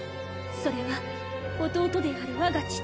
それは弟である我が父